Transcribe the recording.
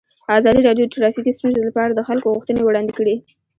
ازادي راډیو د ټرافیکي ستونزې لپاره د خلکو غوښتنې وړاندې کړي.